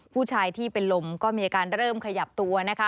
ผู้ชายที่เป็นลมก็มีอาการเริ่มขยับตัวนะคะ